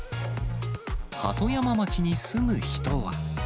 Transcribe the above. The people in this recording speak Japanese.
鳩山町に住む人は。